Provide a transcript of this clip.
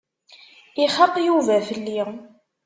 Ixaq Yuba fell-i.